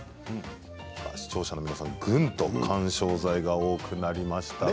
視聴者の皆さん、ぐんと緩衝材が多くなりましたが。